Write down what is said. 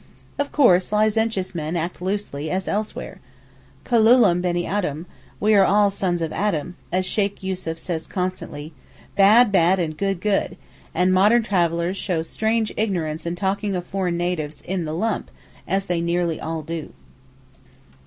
Of course licentious men act loosely as elsewhere. Kulloolum Beni Adam (we are all sons of Adam), as Sheykh Yussuf says constantly, 'bad bad and good good'; and modern travellers show strange ignorance in talking of foreign natives in the lump, as they nearly all do.